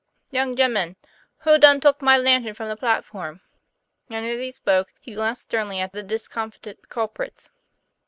' Young gemmen, who done tuk my lantern from the platform?" And as he spoke he glanced sternly at the discomfited culprits.